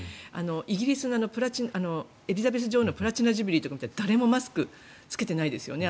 イギリスのエリザベス女王のプラチナ・ジュビリーとかを見たら誰もマスクを着けてないですよね。